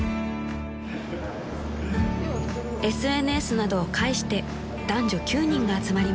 ［ＳＮＳなどを介して男女９人が集まりました］